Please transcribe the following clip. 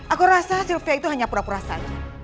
aku rasa sylvia itu hanya pura pura saja